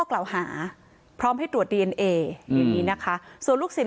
กล่าวหาพร้อมให้ตรวจดีเอนเออย่างนี้นะคะส่วนลูกศิษ